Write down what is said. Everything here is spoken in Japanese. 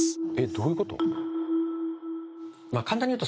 どういうこと？